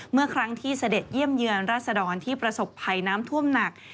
เมื่อครั้งที่เสด็จเยี่ยมเยือนราษดรที่ประสบภัยน้ำท่วมหนัก